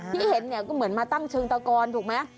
ที่เห็นเนี่ยก็เหมือนมาตั้งเชิงตะกอนถูกไหม